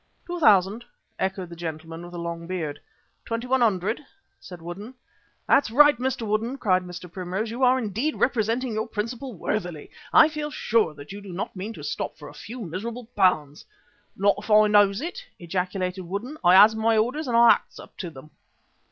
"Two thousand," echoed the gentleman with the long beard. "Twenty one hundred," said Woodden. "That's right, Mr. Woodden," cried Mr. Primrose, "you are indeed representing your principal worthily. I feel sure that you do not mean to stop for a few miserable pounds." "Not if I knows it," ejaculated Woodden. "I has my orders and I acts up to them."